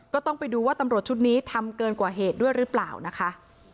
ก็ต้องไปดูว่าตำรวจชุดนี้ทำเกินกว่าเหตุด้วยหรือเปล่านะคะ